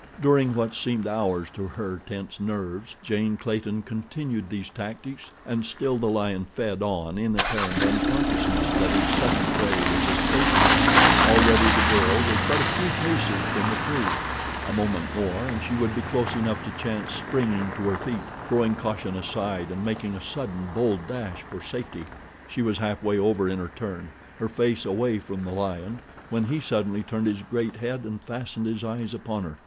During what seemed hours to her tense nerves, Jane Clayton continued these tactics, and still the lion fed on in apparent unconsciousness that his second prey was escaping him. Already the girl was but a few paces from the tree—a moment more and she would be close enough to chance springing to her feet, throwing caution aside and making a sudden, bold dash for safety. She was halfway over in her turn, her face away from the lion, when he suddenly turned his great head and fastened his eyes upon her.